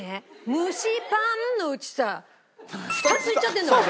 「蒸しパン」のうちさ２つ言っちゃってるんだもん。